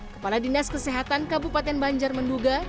kepala dinas kesehatan kabupaten banjar menduga